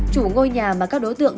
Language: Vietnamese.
chủ ngôi nhà mà các đối tượng